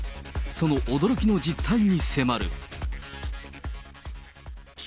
その驚きの実態に迫る。